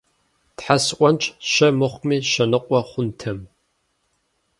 Тхьэ сӀуэнщ, щэ мыхъуми, щэ ныкъуэ хъунтэм!